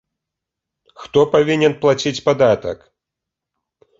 Хто павінен плаціць падатак?